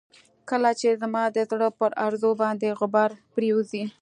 کله چې زما د زړه پر ارزو باندې غبار پرېوځي.